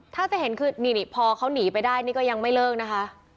ถ้าจะเห็นคือนี่พอเขาหนีไปได้นี่ก็ยังไม่เลิกนะคะ